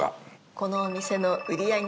このお店の売り上げ